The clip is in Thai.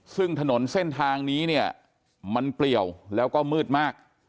ซึ่งถนนเส้นทางนี้เนี่ยมันเปลี่ยวแล้วก็มืดมาก